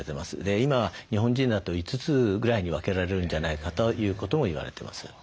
今日本人だと５つぐらいに分けられるんじゃないかということも言われてます。